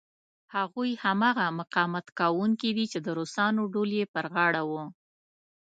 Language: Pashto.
هغوی هماغه مقاومت کوونکي دي چې د روسانو ډول یې پر غاړه و.